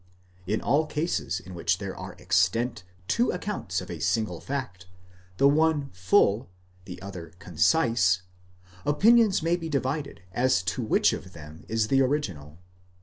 In all cases in which there are extant two accounts of a single fact, the one full, the other concise, opinions may be divided as to which of them is the original.